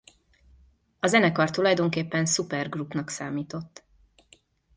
A zenekar tulajdonképpen supergroupnak számított.